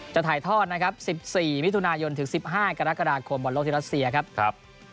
ถ่ายทอดนะครับ๑๔มิถุนายนถึง๑๕กรกฎาคมบอลโลกที่รัสเซียครับ